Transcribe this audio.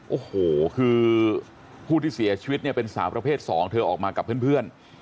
โอ้โหคือผู้ที่เสียชีวิตเนี่ยเป็นสาวประเภท๒เธอออกมากับเพื่อน